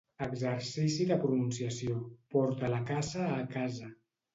Exercici de pronunciació: porta la caça a casa